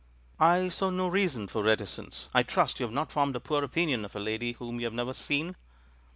"I saw no reason for reticence. I trust you have not formed a poor opinion of a lady whom you have never seen?"